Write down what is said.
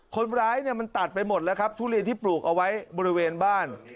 คนร้ายเนี่ยมันตัดไปหมดแล้วครับทุเรียนที่ปลูกเอาไว้บริเวณบ้าน